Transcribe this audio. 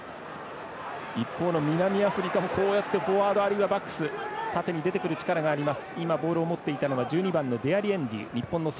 一方の南アフリカもフォワード、バックス縦に出てくる力があります。